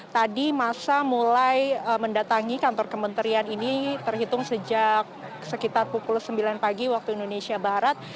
tadi masa mulai mendatangi kantor kementerian ini terhitung sejak sekitar pukul sembilan pagi waktu indonesia barat